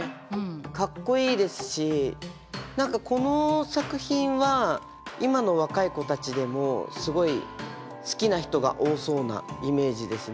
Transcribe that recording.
かっこいいですし何かこの作品は今の若い子たちでもすごい好きな人が多そうなイメージですね。